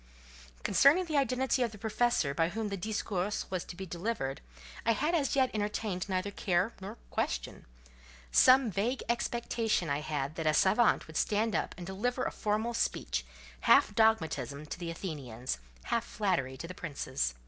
Concerning the identity of the professor by whom the "discours" was to be delivered, I had as yet entertained neither care nor question. Some vague expectation I had that a savant would stand up and deliver a formal speech, half dogmatism to the Athenians, half flattery to the princes.